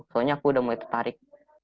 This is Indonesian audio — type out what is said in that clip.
soalnya aku udah mulai tertarik